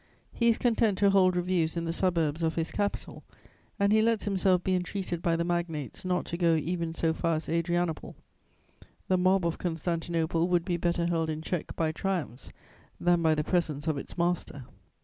He is content to hold reviews in the suburbs of his capital, and he lets himself be entreated by the magnates not to go even so far as Adrianople. The mob of Constantinople would be better held in check by triumphs than by the presence of its master.